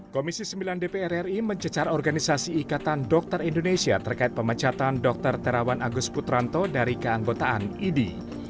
komisi sembilan dpr ri mencecar organisasi ikatan dokter indonesia terkait pemecatan dr terawan agus putranto dari keanggotaan idi